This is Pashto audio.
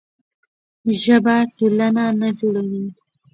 ژبه ټولنه نه جوړوي.